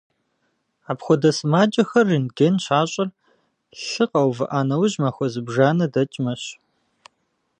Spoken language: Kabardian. Апхуэдэ сымаджэхэр рентген щащӏыр лъыр къэувыӏа нэужь махуэ зыбжанэ дэкӏмэщ.